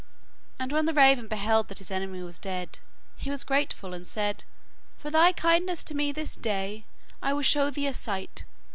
And when the raven beheld that his enemy was dead, he was grateful, and said: 'For thy kindness to me this day, I will show thee a sight.